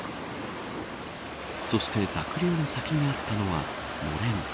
そして濁流の先にあったのはのれん。